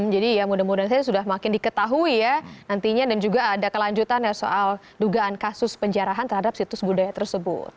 jadi ya mudah mudahan saya sudah makin diketahui ya nantinya dan juga ada kelanjutan ya soal dugaan kasus penjarahan terhadap situs budaya tersebut